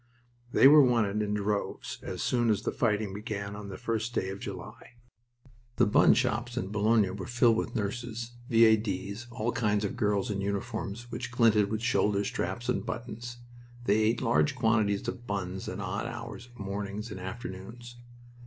They were wanted in droves as soon as the fighting began on the first day of July. The bun shops in Boulogne were filled with nurses, V.A.D.'s, all kinds of girls in uniforms which glinted with shoulder straps and buttons. They ate large quantities of buns at odd hours of mornings and afternoons.